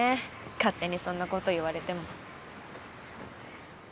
勝手にそんなこと言われても。